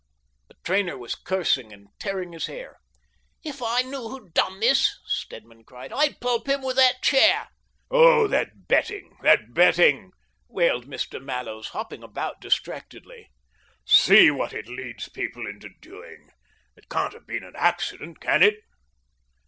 The trainer was cursing and tearing his hair. "If I knew who'd done this," Stedman cried, *' I'd pulp him with that chair !" "Oh, that betting, that betting !" wailed Mr. Mallows, hopping about distractedly ;" see what it leads people into doing ! It can't have been an accident, can it